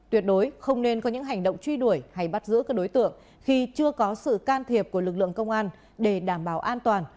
tuyệt đối không nên có những hành động truy đuổi hay bắt giữ các đối tượng khi chưa có sự can thiệp của lực lượng công an để đảm bảo an toàn